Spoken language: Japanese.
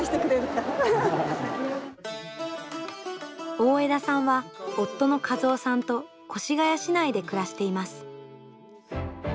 大條さんは夫の一夫さんと越谷市内で暮らしています。